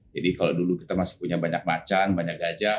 jadi kalau dulu kita masih punya banyak macan banyak gajah